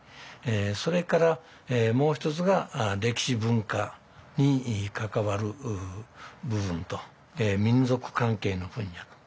それからもう一つが歴史文化に関わる部分と民俗関係の分野と。